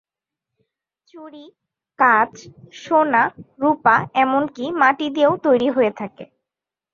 চুড়ি কাচ, সোনা, রূপা এমনকি মাটি দিয়েও তৈরি হয়ে থাকে।